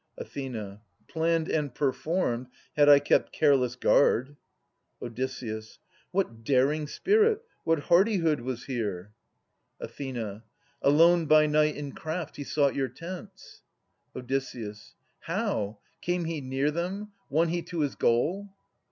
Ath. Planned, and performed, had I kept careless guard. Od. What daring spirit, what hardihood, was here ! 47 79] Atas 55 Ath. Alone by night in craft he sought your tents. Od. How ? Came he near them ? Won he to his goal